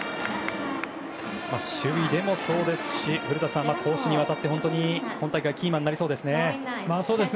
守備でもそうですし古田さん、攻守にわたり今大会のキーマンになりそうですね。